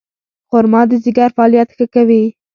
خرما د ځیګر فعالیت ښه کوي.